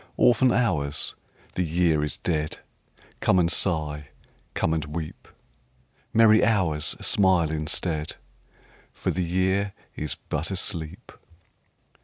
Orphan Hours, the Year is dead, Come and sigh, come and weep! Merry Hours, smile instead, For the Year is but asleep.